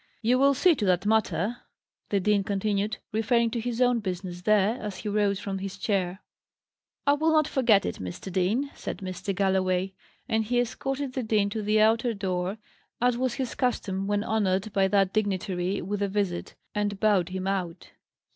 "You will see to that matter," the dean continued, referring to his own business there, as he rose from his chair. "I will not forget it, Mr. Dean," said Mr. Galloway. And he escorted the dean to the outer door, as was his custom when honoured by that dignitary with a visit, and bowed him out.